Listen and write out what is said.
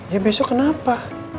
ya besok kenapa